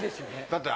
だって。